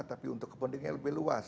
tapi untuk kepentingan yang lebih luas